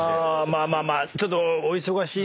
まあまあまあちょっと。